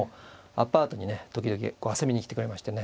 アパートにね時々遊びに来てくれましてね